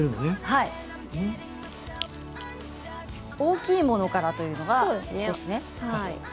大きいものからということですね。